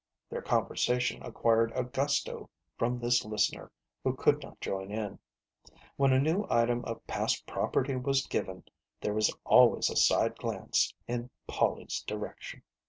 Their conversation ac quired a gusto from this listener who could not join in. When a new item of past property was given, there was always a side glance in Polly's direction.